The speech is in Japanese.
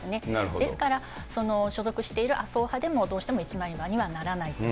ですから、所属している麻生派でもどうしても一枚岩にはならないと。